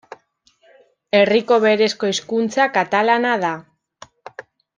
Herriko berezko hizkuntza katalana da.